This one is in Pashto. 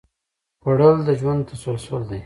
خوړل د ژوند تسلسل دی